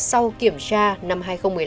sau kiểm tra năm hai nghìn một mươi năm